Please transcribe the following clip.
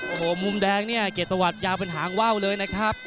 โอ้โหมุมแดงเนี่ยเกียรติประวัติยาวเป็นหางว่าวเลยนะครับ